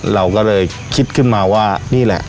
เราก็เลยคิดขึ้นมาว่านี่แหละ